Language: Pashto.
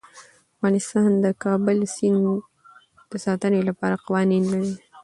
افغانستان د د کابل سیند د ساتنې لپاره قوانین لري.